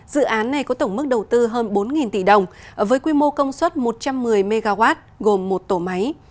dự án này có tổng mức đầu tư hơn bốn tỷ đồng với quy mô công suất một trăm một mươi mw gồm một tổ máy